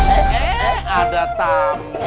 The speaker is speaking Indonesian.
eh ada tamu